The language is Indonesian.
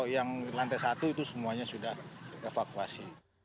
yang lantai satu itu semuanya sudah evakuasi